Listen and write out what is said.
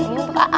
ini untuk kak a